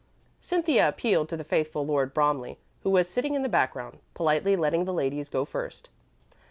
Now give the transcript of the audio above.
Cynthia appealed to the faithful Lord Bromley, who was sitting in the background, politely letting the ladies go first.